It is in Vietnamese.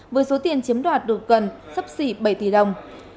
với số tiền chiếm đoạt được gần sắp xỉ bảy tỷ đồng